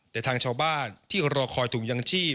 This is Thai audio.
แต่ทางชาวบ้านที่รอคอยถุงยังชีพ